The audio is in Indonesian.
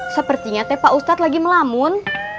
sepertinya tepa ustadz lagi melamun